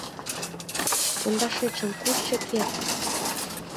- Пондашетшым куш чыкет?